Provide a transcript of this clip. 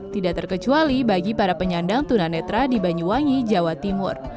tidak terkecuali bagi para penyandang tunanetra di banyuwangi jawa timur